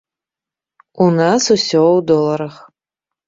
У нас усё ў доларах.